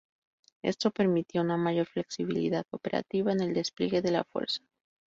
Esto permitía una mayor flexibilidad operativa en el despliegue de la fuerza.